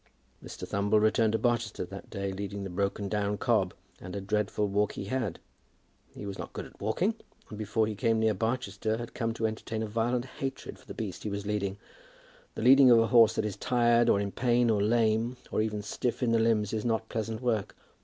Mr. Thumble returned to Barchester that day, leading the broken down cob; and a dreadful walk he had. He was not good at walking, and before he came near Barchester had come to entertain a violent hatred for the beast he was leading. The leading of a horse that is tired, or in pain, or lame, or even stiff in his limbs, is not pleasant work.